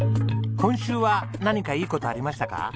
今週は何かいい事ありましたか？